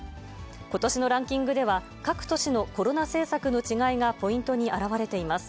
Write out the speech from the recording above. ことしのランキングでは、各都市のコロナ政策の違いがポイントに表れています。